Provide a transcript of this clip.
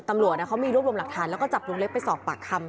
ตำรวจเขามีรวบรวมหลักฐานแล้วก็จับลุงเล็กไปสอบปากคำ